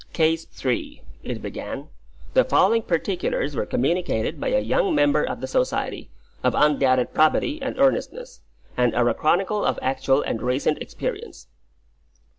"Case III.," it began. "The following particulars were communicated by a young member of the Society, of undoubted probity and earnestness, and are a chronicle of actual and recent experience."